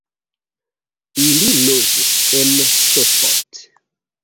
Ili loĝis en Sopot.